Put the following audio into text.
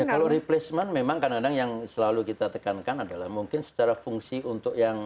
kalau replacement memang kadang kadang yang selalu kita tekankan adalah mungkin secara fungsi untuk yang